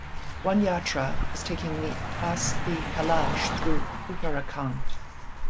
One Yatra is taking the asthi Kalash through Uttarakhand.